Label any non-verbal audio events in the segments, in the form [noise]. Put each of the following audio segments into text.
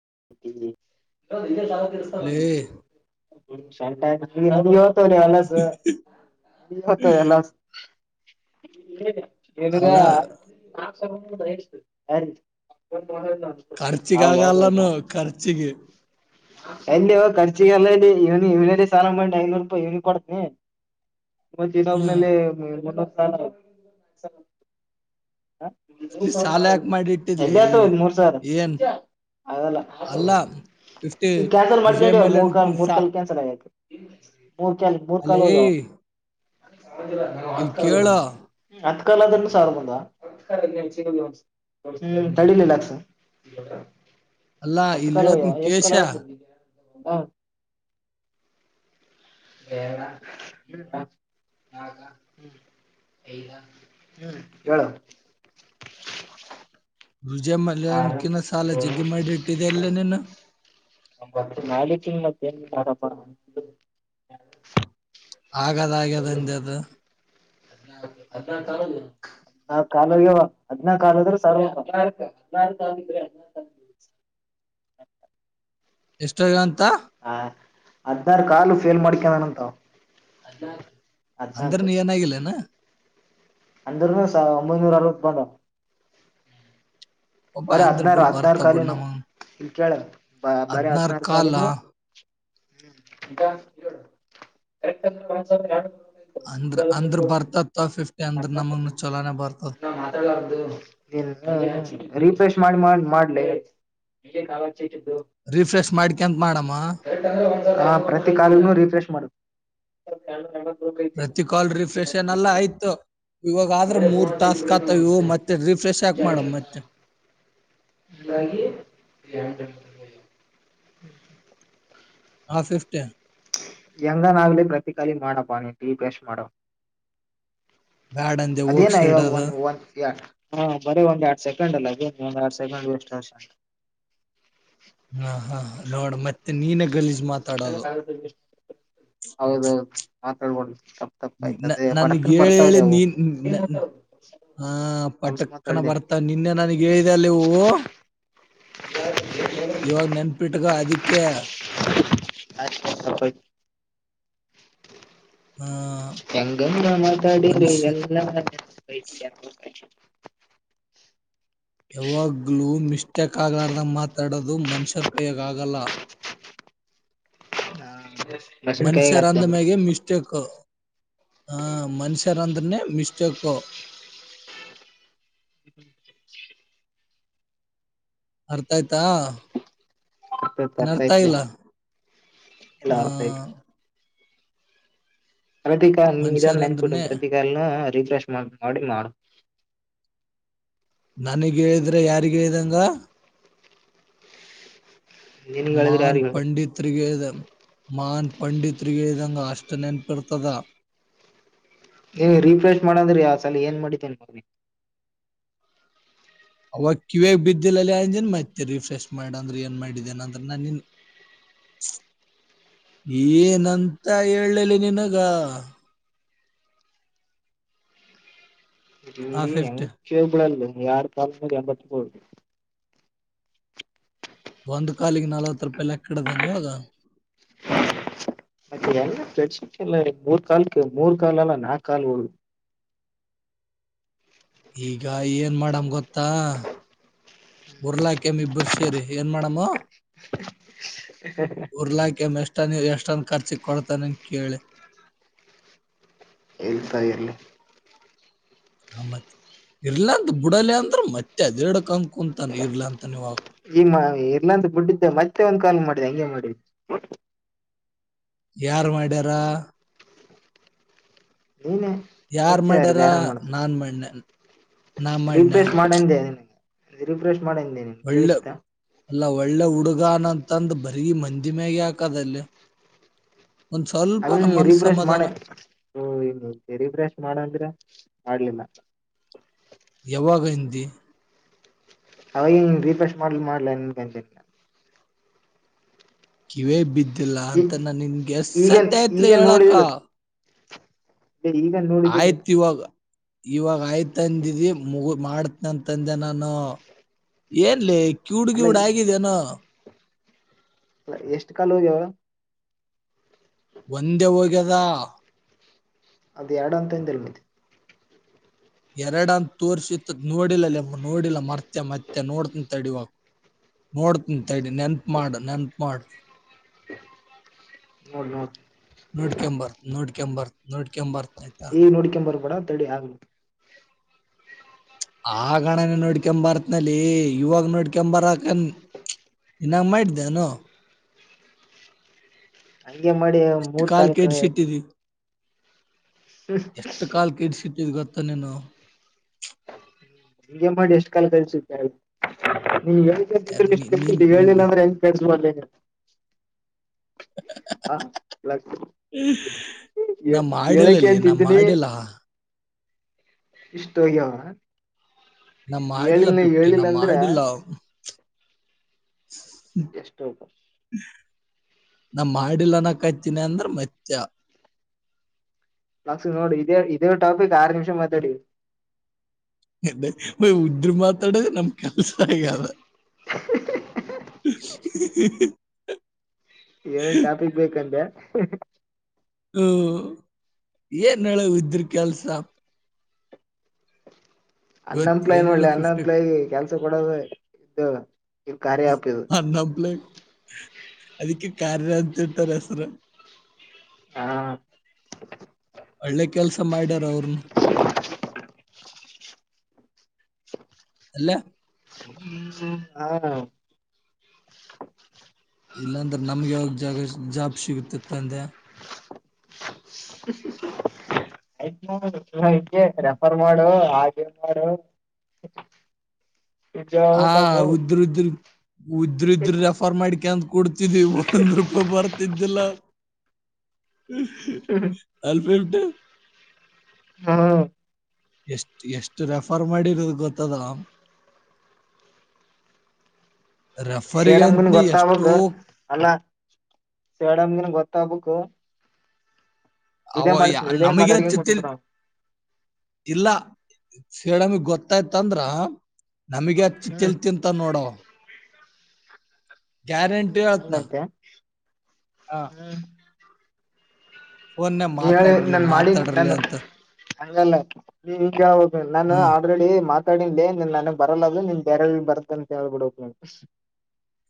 [unintelligible] ಲೇ ಹ ಎಲ್ಲಸತ ಎಲ್ಲ ಇಗ ನ ಅಲ್ಲ [unintelligible] ಹ ಹ [unintelligible] ಕರ್ಚಿಗೆ ಅಲ್ಲಿ ಖರ್ಚಿಗೆಲ್ಲಲ್ಲಿ ಇವನಿ ಇವನಲ್ಲಿ ಸಾಲಿ ಐನೂರು ರೂಪಾಯಿ ಇವನಿ ಕೊಡತನಿ ಮತ್ತ ಹ್ಮ್ ಇನ್ನೊಬ್ನಲ್ಲಿಂದೊ ಸ್ಥಾನ ಈ ಸಾಲ ಮೂಾವಿ ಯಾಕೆ ಮಾಡಿ ಇಟ್ಟಿದ್ಲಿ ಎಲ್ಲಿ ಆತ ಮೂರ್ ಸಾವಿರ ಏನ್ ಅದಲ್ಲ ಅಲ್ಲ ಫಿಫ್ಟಿ ಈಗ ಕ್ಯಾನ್ಸಲ್ ವಿಜಯ ಮಾಡ್ಕೊಂಡವ ಮೂ ಮಲ್ಯನ್ ಕಾಲ್ ಮೂರ್ ಕಾಲ್ ಸಾಲ್ ಕ್ಯಾನ್ಸಲ್ ಆಗತು ಮೂರ್ ಕ ಮೂರ್ ಅಲೇ ಕಾಲೋ ಯ ಇಲ್ಲಿ ಕೇಳು ಆತ್ ಕಾಲ ಅದನ್ನು ಸಾರಭದ ಡಿಲಸ ಅಲ್ಲ ಅತ ಇಲ್ಲಿ ಕಾಲ ಹೇಳ್ತೀನಿ ಎಷ್ಟು ಕೇಶ ಕಾಲ ಹ ಬಣ ಹಾಗ ಹ್ಮ ಹ್ಮ್ ಹೇಳು ರುಜೆ ಮಲ್ಯನ್ಕಿಿನ ಸಾಲ ಜಗ್ಗಿ ಮಾಡಿ ಇಟ್ಟಿದೆ ಎಲ್ಲ ನೀನು ನ ನಕ ಮತ್ತೇ ಆಗದ ಆಗದಂದ ಅದು ಅ ಅದ ಕಾಲದು ಆ ಕಾಲ ಹದಿನ ಕಾಲದ್ರ [inaudible] ಎಷ್ಟಂತ ಹ ಹದನಾರ್ ಕಲು ಫೇಲ್ ಮಾಡಿಕನಂತ ಅಂದರ ನೀಏನಾಗಲ್ಲ ನ ಅಂದ್ರನು ಒಂಬೈನೂರ ಅರವತ್ತು ಬಂದ ಒಬ್ಬ ಬರ ಅಂದ್ರ ಹದ್ಿನಾರ ಬಿಡು ಹದಿನಾರ ಬರ್ತಾವ ಬಿಡು ಕಾಲನು ನಮಗ್ ಇಲ್ಲಿ ಕೇಳ ಬ ಬರ ಹದ್ನಾರ್ ಹದಿನಾರ ಕಾಲ ಕಾಲನು ಹ್ಮ ಅಂದ್ರ ಅಂದ್ರ ಬರ್ತತ್ತ ಫಿಫ್ಟಿ ಅಂದ್ರ ನಮಗ್ನು ಚಲೋನೆ ಬರ್ತದ ಮಾತಾಡ್ಲಾರ್ದು ರೀಫ್ರಷ್ ಮಾಡಿ ಮಾಡ ಮಾಡ್ ರಿಫ್ರೆಶ್ ಮಾಡ್ಕೊಂತ ಮಾಡಮ್ಮ ಕರೆಂದ್ರೆ ಒ ಹಾ ಪ್ರತಿ ಕಾಲ ರೀಫ್ರೆಶ್ ಮಾಡ ಪ್ರತಿ ಕಾಲ್ ರಿಫ್ರೆಷನ್ ಎಲ್ಲ ಆಯ್ತು ಇವಾಗ ಆದ್ರೆ ಮೂರ್ ಟಾಸ್ಕ್ ಹಾತ ಇವು ಮತ್ತೆ ರಿಫ್ರೆಶ್ ಹಾಕ್ ಮಾಡಮ್ ಮತ್ತೆ ಒಗಿ ಹಾಫ್ ಎಫ್ಟ ಯಂಗನ್ಗಲೇ ಪ್ರತಿಕಾಲಿ ಮಾಡಪ್ಪಾನಿ ಟೀ ಬ್ರಷ್ ಮಾಡೋ ಬ್ಯಾಡ್ ಅಂದೆ ಹೋಗ್ ಅದೇನ ಇ ಸಿಡದ ಒ ಒ ಹ ಬರ ಒಂದ್ ಎಡ ಸೆಕೆಂಡ್ ಅಲ್ಲ ಅ ಸಪ ಬಷ ಹಾ ಹಾ ನೋಡ ಮತ್ತೆ ನೀನ ಗಲಜ [inaudible] ಹೌದೌದು ಮಾತಾಡ್ಬ ತಪ್ಪ ತಪ್ಪ ಆಯ್ತು ಅದ ನನಗೆ ಪರಕನ್ ಹೇಳಿ ಬರ್ತಾವ್ರಿ ಅವು ಹ ಹಾ ಪಟಕ್ಕನ ಬರ್ತ ನಿನ್ನೆ ನನಗ್ ಹೇಳಿದೆ ಅಲ್ಲಿ ಹೂವು ಹ ಇವಾಗ ನೆನ್ಪಿಟ್ಟಗ ಅದಿಕ್ ಆಯ್ ಸ ಆ ಎಂಗ ನಾಮಾಡಿ ಮನುಷ್ಯ ಎಲ್ಲ ಯಾವಾಗ್ಲೂ ಮಿಸ್ಟೇಕ್ ಆಗ್ಲಾರ ಮಾತಾಡೋದು ಮನುಷ್ಯರ ಕೈಯಗ ಆಗಲ್ಲ ಹಾ ಬಸನ್ ಕ ಮನುಷ್ಯರ ಗತ್ತ ಹ ಮನುಷ್ಯರಂದ್ರನೆೇ ಮಿಸ್ಟೇಕು ಹ್ಮ್ ಅರ್ಥ ಆಯ್ತಾ ಏನ ಅರ್ಥ ಅರ್ಥೈತ್ಲೆ ಆಗಲ್ಲ ಎಲ್ಲ ಹ ಅರ್ಥೈತ್ ಪ್ರತಿ ಕಾ ನೀ ಮನುಷ್ಯರ್ ನೆನ್ಪಿಟ್ಟು ಅಂದ್ರೇನೆ ಪ್ರತ ಕಾನು ರೀಫ್ರೆಶ್ ಮಾಡ ಮಾಡಿ ಮಾಡು ನನಗ ಹೇಳಿದ್ರೆ ಯಾರಿಗ ಹೇಳ್ದಂಗ ನಿನ್ಗ್ ಹೇಳಿದ್ರೆ ಮನ್ ಯಾರಿಗ್ ಹೇಳ್ ಪಂಡಿತ್ರಿರಿಗೆ ಮಾನ್ ಪಂಡತ್ರಿಗೆ ಇದಂಗ ಅಷ್ಟು ನೆನಪಿಡ್ತದ ಏ ರಿಫ್ರೆಶ್ ಮಾಡಂದ್ರಿ ಆ ಸಲ ಏನ್ ಮಾಡಿತೇನ್ ಮಿ ಅವಾಗ ಕಿವಿಯ ಬಿದ್ದಿಲ್ಲ ಅಲ್ಲಿ ಅಂದೇನ್ ಮತ್ತೆ ರಿಫ್ರೆ ಮಾಡ್ ಅಂದ್ರೆ ಏನ್ ಮಾಡಿದ್ದೇನ ಅಂದ್ರ ನಾ ನಿನ [inaudible] ಏನಂತ ಹೇಳಲಿ ನಿನಗ ಆ ಹೆಂಗ ಫಿಫ್ಟಿ ಕಬಳಲ್ಲ ಯಾರು ಪಾಲಂಬುದು ಒಂದು ಕಾಲಿಗೆ ನಲ್ವತ್ತು ರೂಪಾಯಿ ಲಕ್ಕಡ್ದೇನೆ ಇವಾಗ ಮತ್ತ ಎಲ್ಲ ಪ್ರಚಲ್ಲ ಮೂರು ಕಾಲಕ್ ಮೂರು ಕಾಲಲ್ಲ ನಾಕಾಲ್ ಹೋಗ ಈಗ ಏನ್ ಮಾಡಮ ಗೊತ್ತಾ ಉರ್ಲಾಕೆಮ ಇಬ್ಬರು ಸೇರಿ ಏನ್ ಮಾಡಮ್ಮ ಉರ್ಲ ಕೆ ಮಸ್ ಎಷ್ಟ ನೀ ಎಷ್ಟನ್ ಖರ್ಚಿ ಕೊಡ್ತಾನನ್ ಕೇಳಿ ಎಲ್ತಾ ಇರ್ಲಿ ಆ ಮತ್ ಇರ್ಲಾ ಅಂತ ಬಿಡಲ್ಲ ಅಂದ್ರ ಮತ್ತೆ ಅದಡಕ್ಂತ ಕುಂತಾನ ಇರ್ಲಾ ಅಂತನ್ವಾಗ ಇಲ್ಲ ಅಂತ ಬಿಡ್ಡಿದ್ದೆ ಮತ್ತೆ ಒಂದ್ ಕಾ ಮಾಡಿದೆ ಹಂಗೆ ಮಾಡಿದೆ ಯಾರ್ ಮಾಡ್ಯಾರ ನೀನೇ ಯಾರ್ ಮತ್ತೆ ಯಾರು ಮಾಡ್ಯಾರ ನಾನ್ ಮಾಡನೆ ರಿಪ್ರೆಷ್ ಮಾಡಂದೆ ನಿನಗೆ ರೀಫ್ರೆಷ್ ಮಾಡಂದೆ ನಿನ್ ಕೇಳಿಸಿತಾ ಅಲ್ಲಾ ಒಳ್ಳೆ ಹುಡುಗನಂತಂದ ಬರ್ಗಿ ಮಂದಿ ಮ್ಯಾಗ ಹಾಕದಲ್ಲಿ ಅಲ್ಲಿ ರಿಫ್ರೆಶ್ ಮಾಡೆ ರರಿಫ್ರೆಶ್ ಮಾಡಂದ್ರೆ ಮಾಡ್ಲಿಲ್ಲ ಯಾವಾಗೈಂದ ಅವಾಗನ್ ರೀಫ್ರಶ್ ಮಾಡ್ ಮಾಡ್ಲ ಕಿವೇ ಬಿದ್ದಿಲ್ಲ ಈ ಅಂತಾನ ನಿನ್ಗೆ ಈಗ ಎಸತ್ತಯತ್ಲಿ ಈಗ ಹೇಳಕ ನೋಡಿದಿಲ್ಲ ಈಗ ನೋಡಿದ್ದೇ ಆಯ್ತ್ ಇವಾಗ ಇವಾಗ ಆಯ್ತಂದಿದಿ ಮುಗು ಮಾಡ್ತನ ಅಂತಂದೆ ನಾನು ಏನ್ ಲ ಕ್ಯೂಡ್ ಅಲ್ಲ ಗ್ಯೂಡ್ ಆಗಿದ್ಯಾನೋ ಎಷ್ಟು ಕಾಲ್ ಹೋಗ್ಯಾವ ಒಂದೇ ಹೋಗ್ಯದ ಅದ್ ಎರಡು ಅಂತ ಅಂಧಲ್ ಮತ್ತ ಎರಡಂತ ತೋರ್ರಿಸ ನೋಡಿಲ್ಲಲೆ ನೋಡಿಲ್ಲ ಮರ್ತೆ ಮತ್ತೆ ನೋಡ್ತಂತಡಿ ಇವಾಗ ನೋಡ್ತನ್ಂತೈಡಿ ನೆನ್ಪು ಮಾಡಾ ನೆನ್ಪ ಮಾಡಾ ನೋಡ್ ನೋಡ್ ನೋಡ್ ಕೆಂಬರ್ ನೋಡ್ ಕೆಂಬರ್ ನೋಡ್ ಕೆಂಬರ್ ಏ ನೋಡ್ಕೊ ಬರ್ಬೇಡ ತಡಿ ಆಗ್ಲು ಆಗಣನ ನೋಡ್ಕಂಬರತ್ನಲ್ಲಿ ಇವಾಗ ನೋಡ್ಕಂಬರಕನ್ ಇನ್ನ್ ಮಾಡೈಟ್ದೆನುೋ [unintelligible] ಹಗೆ ಮಾಡಿ ಎಷ್ಟು ಮೂರ್ ಕಾಲಕ ಎಷ್ಟ ಕಾಲ ಕ ಇಡ್ಸಿಟ್ಟಿದ್ ಗೊತ್ತ ನೀನು ಹಿಂಗೆ ಮಾಡಿ ಎಷ್ಟ್ ಕಾಲ ಕಲ್ಸುತ್ತ ನೀ ಹೇಳಳ್ ಯಾರ್ ಕಳ್್ರ ಎಷ್ಟು ನೀ- ನೀನ್ ಕತಿದ್ದ ಹೇಳಿಲ್ಲ ನೀ- ಅಂದ್ರೆಂಗ ಕೆಸ ಹಾ ಲತ ನಾ [inaudible] ಹೇಳಕ್ಕೆ ಮಾಡಿಲ್ಲಲೆ ನಾ ಅಂತಿದನಿ ಮಾಡಿಲ್ಲ ಇಷ್ಟ ಹೋಗ್ಯವ ನಾ ಮಾಡಿಲ್ಲ ಹೇಳಿಲ್ಲ ಪಿಪ್ಟಿ ನಾ ಹೇಳಿಲ್ಲ ಅಂದ್ರ ಮಾಡಿಲ್ಲ ಎಷ್ಟ ಹಪ [inaudible] ನಾ ಮಾಡಿಲ್ಲನ ಕಾಯ್ತೀನಿ ಅಂದ್ರ ಮಚ್ಚ ಲಕ್ಸ ನೋಡು ಇದೇ ಇದೇ ಟಾಪಿಕ್ ಆರ್ ನಿಮಿಷ ಮಾತಾಡಿ ಇ ಉದ್ರ ಮಾತಾಡ ನಮ್ ಕೆಲ್ಸ ಆಗಧೀ ಹ [inaudible] ಏನೇನ್ ಟಾಪಿಕ್ ಬೇಕಂದ ಹ್ಮ ಏನ್ ಹೇಳುವ ಇದ್ರ ಕೆಲ್ಸ ಇವತ್ ಹನ್ನಂಪ್ಲೈ ಏನಿಲ್ಲ ನೋಡ್ ಫಿಫ್ಟಿ ಹನ್ನಪ್ಲಾಯ ಕೆಲ್ಸ ಕೊಡದು ಇದ್ದ ಅ ನ ಪಲೆ ಅದಕ್ಕೆ [inaudible] ಕಾರ್ಯರಥರಸರು [unintelligible] ಹಾ ಒಳ್ಳೆ ಕೆಲ್ಸ ಮಾಡ್ಯಾರ ಅವ್ರನು ಹ [inaudible] ಅಲ್ಲ ಹಾ ಇಲ್ಲಾಂದ್ರೆ ನಮ್ಗೆ ಯಾವಾಗ ಜಾಗ ಜಾಬ್ ಸಿಗುತ್ತತ್ತ ಅಂದೆ ಆಯ್ತ ರೆಫರ್ ಮಾಡು [inaudible] ಆ [inaudible] ಹಾ ಉದುರು ಉದುರು ಇದ್ರ ಇದ್ರ ರೆಫರ್ ಮಾಡಿಕಂತ ಕೊಡ್ತಿದ್ ಒಂದ್ ರೂಪಾಯಿ ಬರ್ತಿದ್ದಿಲ್ಲ ಅಲ್ಪ ಎಮಟ [unintelligible] ಹಾ ಎಷ್ಟ ಎಷ್ಟು ರೆಫರ್ ಮಾಡಿರೋದು ಗೊತ್ತದ [inaudible] ಸೇಡಮ್ಗನ್ ರೆಫರಿಗಂತನೇ ಎಷ್ಟೋ ಗೊತ್ತಾಗಬೇಕಕ್ ಅಲ್ಲಾ ಸೇಡಮಗನ್ ಗೊತ್ತಾಗಬೇಕಕ್ ಅವ ಇದೇ ಮಾತಾಡ್ಕ ನಮಗೆಚ್ಚ ಕುಂಟ್ಬಿಡ್ತಾವ ಇಲ್ಲ ಸೀಡಮಿಗ್ ಗೊತ್ತಾಯ್ತ ಅಂದ್ರ ನಮಗೆ ಹಚ್ಚ ಹ್ಮ್ ತಲೆ ತಿತಾನೆ ನೋಡವ ಗ್ಯಾರಂಟಿ ಹೊತ್ನಾ ಹಂಗಂತೆ ಹ್ಮ್ ಫೋನ್ನೇ ನೀ ಹೇಳಿ ಮಾತಾಡ್ರಲಿ ನನ್ ಮಾಡಿ ಮಾತಾಡ್ರಲಿ ನನ್ನು. ಅಂತ ಹಂಗಲ್ಲ ನೀ ಕೇಳ್ಬೇಕ ನಾನು ಹ್ಮ್ ಆಲ್ರೆಡಿ. ಮಾತಾಡಿದೇನ್ ನನ ಬರಲ್ಲ ಅದು ನಿನ್ ಬೇರೆ ಬರುತ್ತ ಅಂತ ಹೇಳ್ಬಿಡಕ್ ನೀನ್.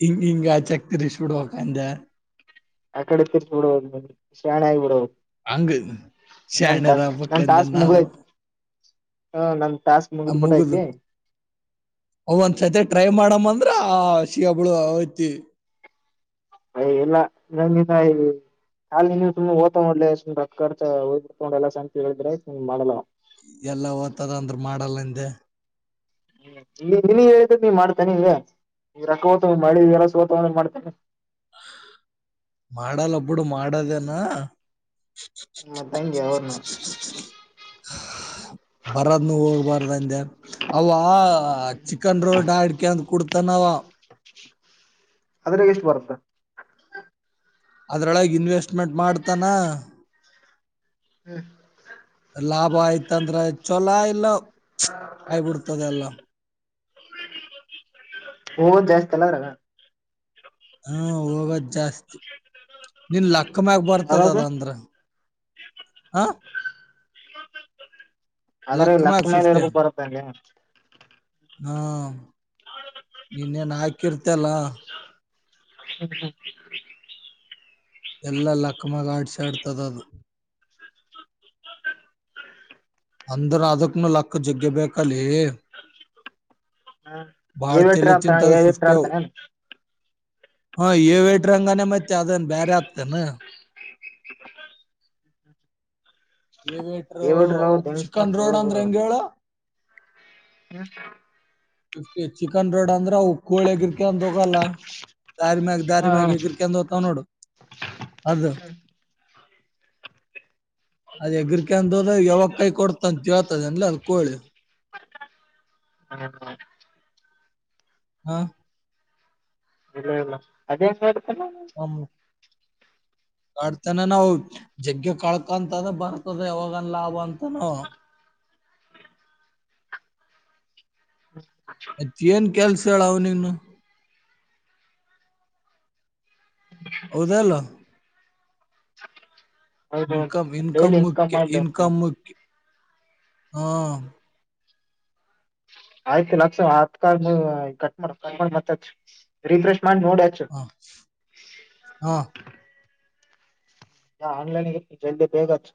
ಇಂಗ ಹಿಂಗ ಚೆಕ್ತರ ಸುಡೋಕ ಅಂದ್ಯ. ಆ ಕಡೆ ತಿರ್ಬ ಬಿಡಬೋಕ ಶಾಣೆ ಆಗಿಬಿಡಬೇಕ್. ಹಂಗ ನನ್ ಶಾಣ್ಯರ್ ಟಾಸ್ಕ್ ನನ್ ಆಗ್ಬೇಕಂದೆ ಟಾಸ್ಕ್ ನಾವು ಮುಗ್ಡೇತಿ. ಹಾ ನನ್ ಟಾಸ್ಕ್ ಮುಗಿದಬಿಟ್ಟೇತಿ. ಅದ ಒಂದ್ಸತಿ ಟ್ರೈ ಮಾಡಮ್ಮ ಅಂದ್ರ ಸಿಗಬಳು ಐತಿ. ಅಯ ಎಲ್ಲ ನಂದ ಇನ್ನ ಅಯ್. ಅಲ ನೀವು ಸುಮ ಹೋಯ್ತವ ನೋಡಲೇ ಸುಮ ರೊಕ್ಕ ಖರ್ಚ ಹೋಗ್ಬಿತ ಎಲ್ಲಾ ಸಂತ ಹೇಳಿದ್ರೆ ಸುಮ ಮಾಡಲ್ಲ ಅವ. ಎಲ್ಲಾ ಹೋಗ್ತಾದ ಅಂದ್ರ ಮಾಡಲ್ಲಂದೆ. ಈಗ ನೀ ಹೇಳ್ತದ ನೀ ಮಾಡ್ತಿ ಏನ್ ನಿಗ. ಈ ರಕ್ಕ ತ ಮಿ ಎಲ್ಲ ಸೋತ ಮಾಡ್ತೇನೆ. ಮಾಡಲ್ಲ ಬಿಡು ಮಾಡದೇನಾ. ಮತ್ತ ಹಂಗೆ ಅವನು. ಬರದನು ಹೋಗ್ಬಾರ್ದಂದೆ ಅವ ಚಿಕನ್ ರೋಲ್ಡ್ ಅಡಿಕೆ ಅಂದ. ಕುಡ್ತನವ. ಅದ್ರಾಗ ಎಷ್ಟು ಬರುತ್ತ. ಅದ್ರೊಳಗೆ ಇನ್ವೆಸ್ಟ್ಮೆಂಟ್ ಮಾಡ್ತಾನ. ಹ್ಮ್. ಲಾಭ ಆಯ್ತಂದ್ರೆ ಚೊಲೋ ಇಲ್ಲ ಆಗಿಬಿಡ್ತದ ಎಲ್ಲ. ಹದ್ ಜಾಸ್ತಿ ಅಲ್ಲ. [unintelligible] ಹ್ಮ ಹೋಗದ್ ಜಾಸ್ತಿ ನಿನ್ ಲಕ್ಕ ಮ್ಯಾಗ ಬರ್ತದ ಬರೋದು ಅದಂದ್ರ. ಆ. ಆದ್ರೆ ಲಕ್ಕ ಮ್ಯಾಗ ಮೇಲ್ ಫಿಫ್ಟಿ ಹೆಂಗ್ ಬರತ್ತ ಅನ್ಯ. ಹಾ ನೀನ್ನೇನ್ ಹಾಕಿರ್ತ ಅಲ್ಲ. [inaudible] ಎಲ್ಲಾ ಲಕ್ಕಮಾಗ ಆಡ್ಸ ಆಡ್ತದ ಅದು. ಅಂದ್ರ ಅದಕ್ಕನೂ ಲಕ್ಕ ಜಗ್ಗೆ ಬೇಕ್ ಅಲ್ಲೆ. ಭಾಳ ಏ ಬಿಟ್ರ ತಲಿ ಆತ ಏ ತಿಂದದ ಬಿಟ್ರ ಫಿಫ್ಟೋ. ಆಡ್ತಾನೆ ಹಾ ಏವಿಯೇಟರ್ ಹಂಗೇನೇ ಮತ್ತೆ ಅದನ್ ಬೇರೆ ಆಗ್ತತೇನ. ಏವಿಯೇಟರ್ ಏ ಬಿಟ್ರ ದೆಂಗಸ್ಕೊಂತ ಚಿಕನ್ ರೋಡ್ ಹೋದು ಅಂದ್ರ ಹಾ ಹೆಂಗ ಹೇಳ. [inaudible] ಅಷ್ಟ ಚಿಕನ್ ರೋಡ. ಅಂದ್ರ ಅ ಕೋಳ ಎಗಿರ್ಕ ಅಂದ ಹೋಗಲ್ಲ ದಾರಿಮ್ಯಾಗ ದಾರಮ್ಯಾಗ ಎಗಿರ್ಕ ಹೋಗ್ತವ ನೋಡು. ಅದು. ಅದ್ ಏಗ್ರಕ ಹೋದ್ರ ಯಾವಾಗ ಕೈ ಕೊಡ್ತ ಅಂತೇಳ್ತದನ್ಲ ಅದ ಕೋಳಿ. ಹಾ. ಹಾ. ಇಲ್ಲ ಇಲ್ಲ ಅದೇ ಸರ್. [unintelligible] ಕಾಡ್ತಾನ ನಾವು ಜಗ್ಗೆ ಕಳ್ಕಂತದ ಬರ್ತದ ಯಾವಾಗನ್ ಲಾಭ ಅಂತನ ಅವ. ಹ್ಮ. [unintelligible] [unintelligible] ಮತ್ತ ಏನ್ ಕೆಲ್ಸ ಹೇಳ ಅವನಿಗುನು. ಹೌದಲ್ಲ. ಹೌದು ಇನ್ಕಮ್ ಇನ್ಕಮ್ ಡೈಲಿ ಮುಖ್ಯ ಮಾಡ್ಲಿ ಅವ್ನಿಗೆ ಇನ್ಕಮ ಮುಖ್ಯ ಹಾ. ಆಯ್ತು ಲಕ್ಷಸ ಕ ಕಟ್ವ ಕಟ್ಟ ಮಾಡಿ ಮತ್ತ ಹಚ ರೀಫ್ರೆಶ್. ಹಾ ಹಾ. ಯಾ ಆನ್ಲೈನ್ ಜಲ್ದಿ ಬೇಗ ಹಚ.